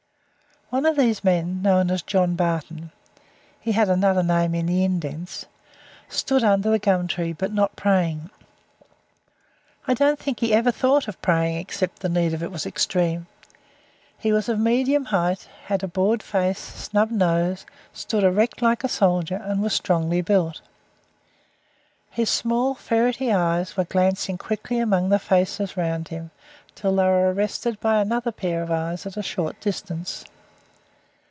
One of these men, known as John Barton he had another name in the indents stood under the gum tree, but not praying; I don't think he ever thought of praying except the need of it was extreme. He was of medium height, had a broad face, snub nose, stood erect like a soldier, and was strongly built. His small ferrety eyes were glancing quickly among the faces around him until they were arrested by another pair of eyes at a short distance.